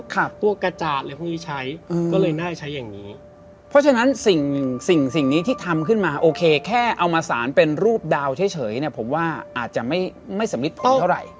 ก็เลยน่าจะใช้อย่างนี้เพราะฉะนั้นสิ่งสิ่งนี้ที่ทำขึ้นมาแค่เอามาสารเป็นรูปดาวเฉยผมว่าอาจจะไม่สำเร็จพอเท่าไหร่